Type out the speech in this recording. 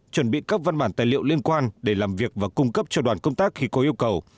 chuẩn bị các văn bản tài liệu liên quan để làm việc và cung cấp cho đoàn công tác khi có yêu cầu